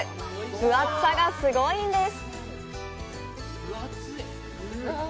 分厚さがすごいんです！